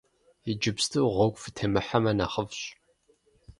Иджыпсту гъуэгу фытемыхьэмэ нэхъыфӀщ!